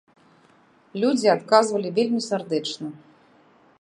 Людзі адказвалі вельмі сардэчна.